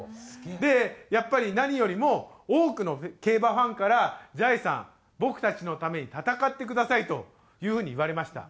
でやっぱり何よりも多くの競馬ファンから「じゃいさん僕たちのために戦ってください」という風に言われました。